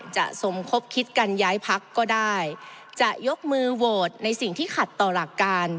สมคบคิดกันย้ายพักก็ได้จะยกมือโหวตในสิ่งที่ขัดต่อหลักการ